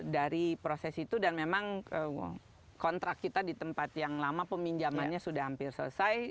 dari proses itu dan memang kontrak kita di tempat yang lama peminjamannya sudah hampir selesai